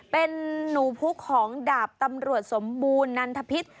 เป็นหนูพุกของดาบตำรวจสมบูรณ์นันทพิษ